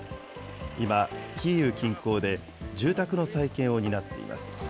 今、キーウ近郊で住宅の再建を担っています。